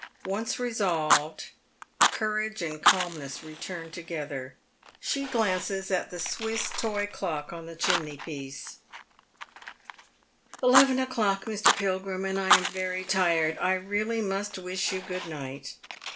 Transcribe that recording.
Once resolved, courage and calmness return together. She glances at the Swiss toy clock on the chimney piece, " Eleven o'clock, Mr. Pilgrim, and I am very tired. I really must wish you good night."